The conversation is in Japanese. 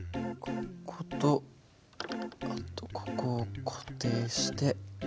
こことあとここを固定して。